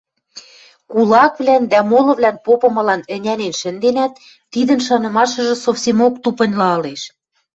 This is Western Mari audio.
Кулаквлӓн дӓ молывлӓн попымылан ӹнянен шӹнденӓт, тидӹн шанымашыжы совсемок тупыньла ылеш.